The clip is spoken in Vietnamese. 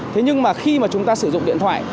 thế nhưng mà khi mà chúng ta sử dụng điện thoại